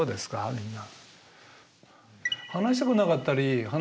みんな。